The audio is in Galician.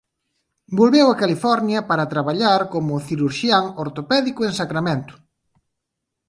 Volveu a California para traballar como cirurxián ortopédico en Sacramento.